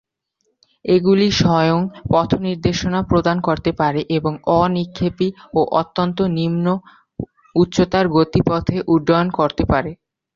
এগুলি স্বয়ং-পথনির্দেশনা প্রদান করতে পারে এবং অ-নিক্ষেপী ও অত্যন্ত নিম্ন উচ্চতার গতিপথে উড্ডয়ন করতে পারে।